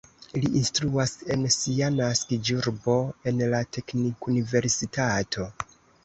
Li instruas en sia naskiĝurbo en la teknikuniversitato.